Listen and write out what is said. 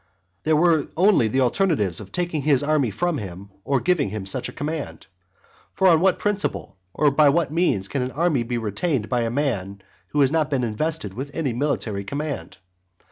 There were only the alternatives of taking his army from him, or giving him such a command. For on what principle or by what means can an army be retained by a man who has not been invested with any military command?